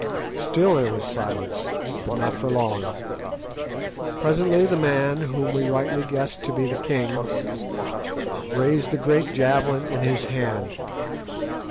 Still there was silence; but not for long. Presently the man, whom we rightly guessed to be the king, raised the great javelin in his hand.